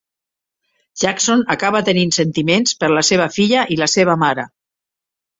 Jackson acaba tenint sentiments per la seva filla i la seva mare.